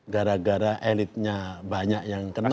gara gara elitnya banyak yang kena